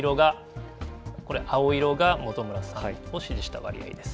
青色が本村さんを支持した割合です。